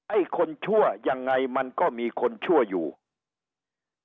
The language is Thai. ไอ้คนชั่วยังไงมันก็มีคนชั่วอยู่